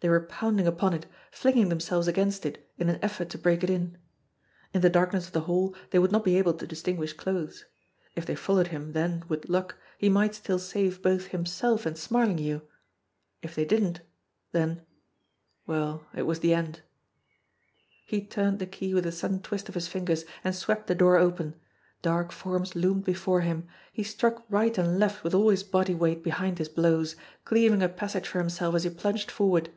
They were pounding upon it, flinging themselves against it in an effort to break it in. In the darkness of the hall they would not be able to distinguish clothes. If they followed him, then, with luck, he might still save both himself and Smarlinghue ; if they didn't, then well, it was the end. 100 JIMMIE DALE AND THE PHANTOM CLUE He turned the key with a sudden twist of his fingers, and swept the door open. Dark forms loomed before him. He struck right and left with all his body weight behind his blows, cleaving a passage for himself as he plunged forward.